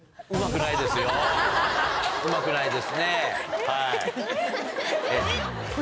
うまくないですねはい。